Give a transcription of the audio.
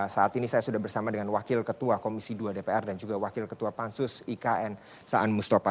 saat ini saya sudah bersama dengan wakil ketua komisi dua dpr dan juga wakil ketua pansus ikn saan mustafa